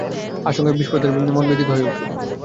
আশঙ্কায় বিপ্রদাসের মন ব্যথিত হয়ে উঠল।